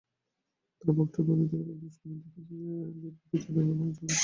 তাঁরা প্রক্টরের পদত্যাগের দাবিতে স্লোগান দিতে দিতে দ্বিতীয় দফায় ভাঙচুর শুরু করেন।